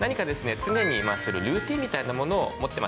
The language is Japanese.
常にするルーティンみたいなものを持ってます。